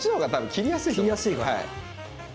切りやすいかな。